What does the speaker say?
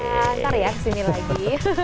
ntar ya kesini lagi